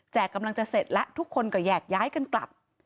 กำลังจะเสร็จแล้วทุกคนก็แยกย้ายกันกลับ